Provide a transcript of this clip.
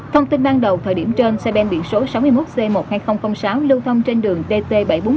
thông tin ban đầu thời điểm trên xe đen biển số sáu mươi một c một nghìn hai trăm linh sáu lưu thông trên đường dt bảy trăm bốn mươi bảy